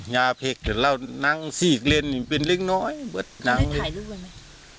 เนี้ยเผ็ดแล้วน้ำสีกเล่นเป็นเล็กน้อยเบิดน้ำไม่ได้ถ่ายด้วยไหม